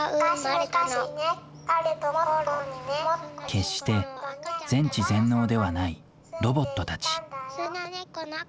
決して全知全能ではないロボットたち。